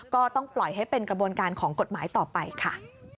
ก็ต้องปล่อยให้เป็นกระบวนการของกฎหมายต่อไปค่ะ